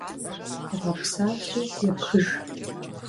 Гъэпсалъи епхыж.